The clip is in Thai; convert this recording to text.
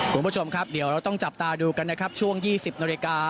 คุณผู้ชมครับเดี๋ยวเราต้องจับตาดูกันนะครับช่วง๒๐นาฬิกา